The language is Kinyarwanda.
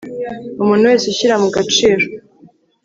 umuntu wese ushyira mu gaciro